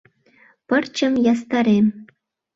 Пырчым ястарем.